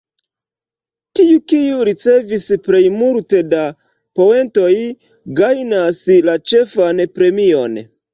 Tiu, kiu ricevis plej multe da poentoj, gajnas la ĉefan premion.